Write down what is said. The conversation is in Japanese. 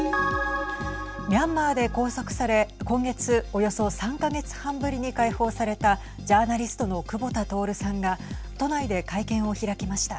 ミャンマーで拘束され今月およそ３か月半ぶりに解放されたジャーナリストの久保田徹さんが都内で会見を開きました。